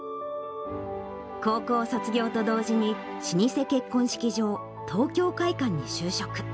高校卒業と同時に、老舗結婚式場、東京會舘に就職。